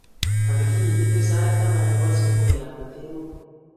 Ang'ii, itu sait taman nebo subui anan kemoi?